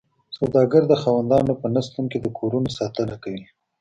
سوداګر د خاوندانو په نشتون کې د کورونو ساتنه کوي